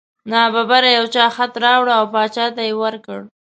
نا ببره یو چا خط راوړ او باچا ته یې ورکړ.